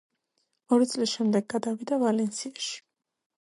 ორი წლის შემდეგ გადავიდა „ვალენსიაში“.